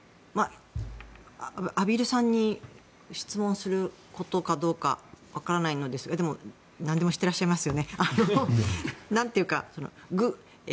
畔蒜さんに質問することかどうか分からないのですがでも、何でも知ってらっしゃいますよね。